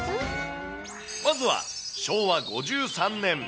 まずは昭和５３年。